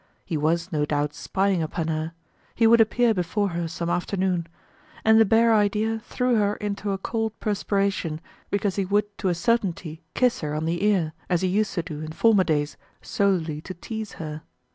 He was, no doubt, spying upon her; he would appear before her some afternoon; and the bare idea threw her into a cold perspiration, because he would to a certainty kiss her on the ear, as he used to do in former days solely to tease her.